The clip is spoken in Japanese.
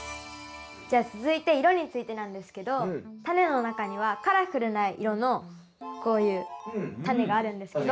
じゃあ続いて色についてなんですけどタネの中にはカラフルな色のこういうタネがあるんですけど。